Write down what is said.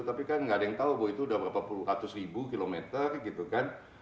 tapi kan nggak ada yang tahu bahwa itu udah berapa puluh ratus ribu kilometer gitu kan